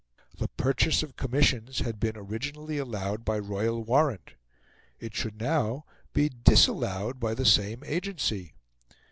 The purchase of commissions had been originally allowed by Royal Warrant; it should now be disallowed by the same agency.